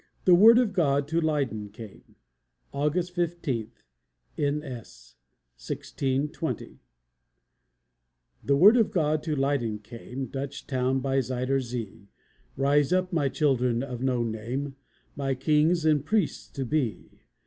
THE WORD OF GOD TO LEYDEN CAME [August 15 (N. S.), 1620] The word of God to Leyden came, Dutch town by Zuyder Zee: Rise up, my children of no name, My kings and priests to be.